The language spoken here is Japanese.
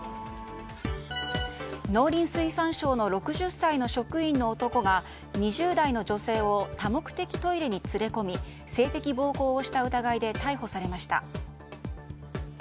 農林水産省の６０歳の職員の男が２０代の女性を多目的トイレに連れ込み性的暴行をした疑いで逮捕されました。